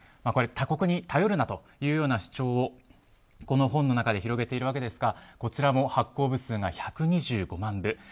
これは他国に頼るなという主張をこの本の中で繰り広げていますがこちらも発行部数が１２５万部。